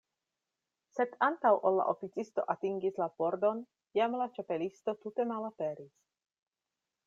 Sed antaŭ ol la oficisto atingis la pordon, jam la Ĉapelisto tute malaperis.